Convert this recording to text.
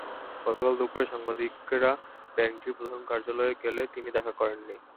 গতকাল দুপুরে সাংবাদিকেরা ব্যাংকটির প্রধান কার্যালয়ে গেলে তিনি দেখা করেননি।